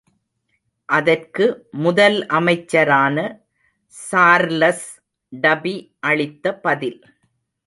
அதற்கு முதல் அமைச்சரான சார்லஸ் டபி அளித்த பதில்.